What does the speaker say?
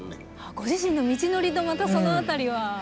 ご自身の道のりとまたその辺りはね。